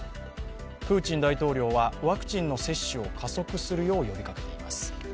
プーチン大統領はワクチンの接種を加速するよう呼びかけています。